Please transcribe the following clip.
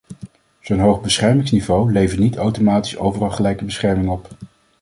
Zo'n hoog beschermingsniveau levert niet automatisch overal gelijke bescherming op.